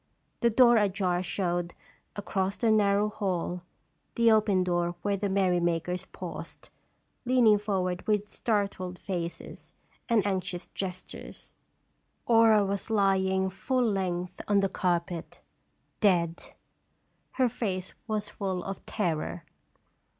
The door ajar showed, across the narrow hall, the open door where the merry makers paused, leaning forward with startled faces and anx ious gestures. Aura was lying full length on the carpet, dead ! Her face was full of terror.